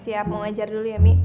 siap mau ngajar dulu ya mi